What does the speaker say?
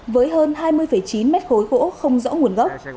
với hơn hai mươi chín mét khối gỗ không rõ nguồn gốc